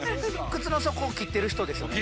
靴の底を切ってる人ですよね？